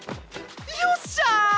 よっしゃ！